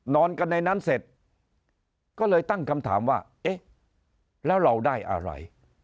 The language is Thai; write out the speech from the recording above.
นอนกันในนั้นเสร็จก็เลยตั้งคำถามว่าเอ๊ะแล้วเราได้อะไร